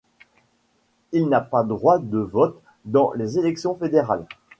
Il n'a pas droit de vote dans les élections fédérales.